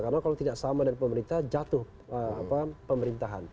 karena kalau tidak sama dengan pemerintah jatuh pemerintahan